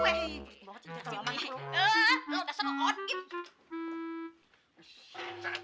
tapi gue jual main liat